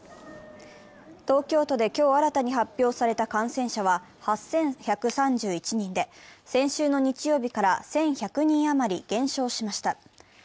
東京都で今日新たに発表された感染者は８１３１人で、先週の日曜日から１１００人余り減少しました。